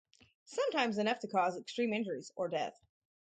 Sometimes enough to cause extreme injuries, or death.